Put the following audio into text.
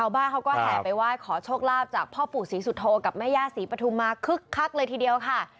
บ้านเขาก็แห่ไปไหว้ขอโชคลาภจากพ่อปู่ศรีสุโธกับแม่ย่าศรีปฐุมมาคึกคักเลยทีเดียวค่ะ